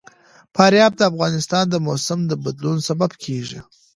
فاریاب د افغانستان د موسم د بدلون سبب کېږي.